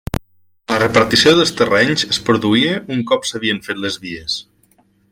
La repartició dels terrenys es produïa un cop s'havien fet les vies.